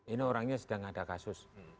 ini orangnya sedang ada kasus